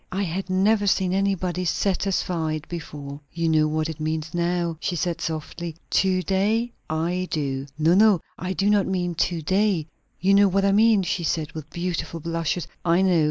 I had never seen anybody 'satisfied' before." "You know what it means now?" she said softly. "To day? I do!" "No, no; I do not mean to day. You know what I mean!" she said, with beautiful blushes. "I know.